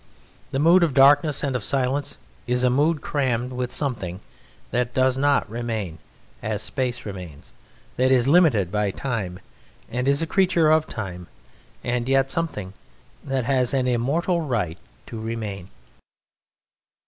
The mood of darkness and of silence is a mood crammed with something that does not remain, as space remains, that is limited by time, and is a creature of time, and yet something that has an immortal right to remain.